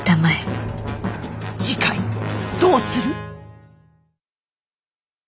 次回どうする？